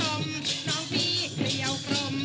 น้องพี่เปรียวกลม